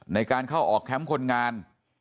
ในการเข้าออกแคมป์คนงาน